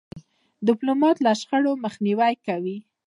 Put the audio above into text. ډيپلومات له شخړو مخنیوی کوي.